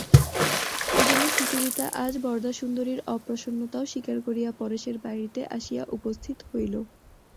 এইজন্য সুচরিতা আজ বরদাসুন্দরীর অপ্রসন্নতাও স্বীকার করিয়া পরেশের বাড়িতে আসিয়া উপস্থিত হইল।